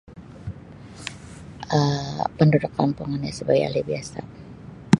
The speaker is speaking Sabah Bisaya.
[um[ Penduduk kampung ino sebagai ahli biasa'.